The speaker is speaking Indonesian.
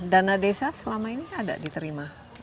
dana desa selama ini ada diterima